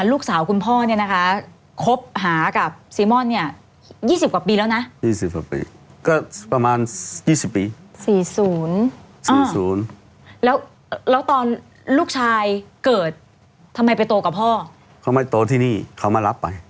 แล้วตอนลูกชายเกิดทำไมไปโตกับพ่อเขาไม่โตที่นี่เขามารับไป